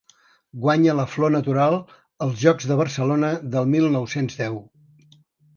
Guanya la Flor Natural als Jocs de Barcelona de mil nou-cents deu.